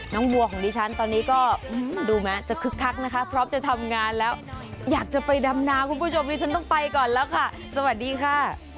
วัวของดิฉันตอนนี้ก็ดูแม้จะคึกคักนะคะพร้อมจะทำงานแล้วอยากจะไปดำนาคุณผู้ชมดิฉันต้องไปก่อนแล้วค่ะสวัสดีค่ะ